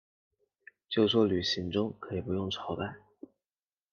就说旅行中可以不用朝拜